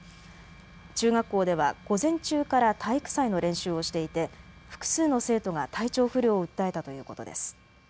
中学校では午前中から体育祭の練習をしていて複数の生徒が体調不良を訴えたということです。